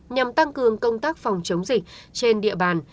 nhằm tăng cường công tác phòng chống dịch trên địa bàn